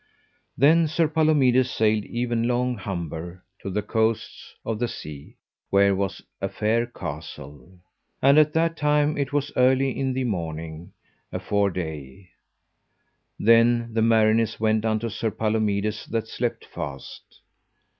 Then Sir Palomides sailed evenlong Humber to the coasts of the sea, where was a fair castle. And at that time it was early in the morning, afore day. Then the mariners went unto Sir Palomides that slept fast.